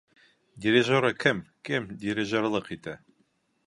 Дирижеры кем? Кем дирижерлыҡ итә?